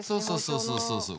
そうそうそうそう。